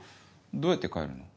どうやって帰るの？